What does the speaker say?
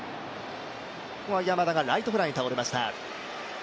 ここは山田がライトフライに倒れました。